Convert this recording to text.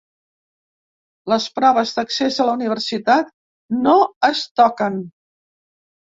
Les proves d’accés a la universitat no es toquen.